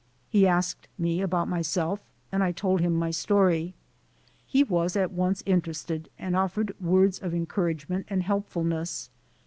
He asked me about myself and I told him my story. He was at once interested and offered words of encouragement and helpfulness.